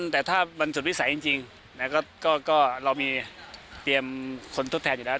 แต่ถ้ามันสุดวิสัยจริงนะครับก็เรามีเตรียมคนทดแทนอยู่แล้ว